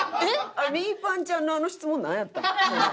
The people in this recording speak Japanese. あれみーぱんちゃんのあの質問なんやったん？